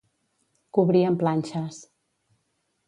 Cobrir amb planxes.